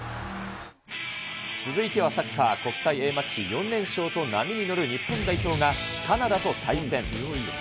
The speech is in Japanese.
続いてはサッカー、国際Ａマッチ、４連勝と波に乗る日本代表が、カナダと対戦。